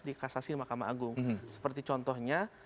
dikasasi oleh makam agung seperti contohnya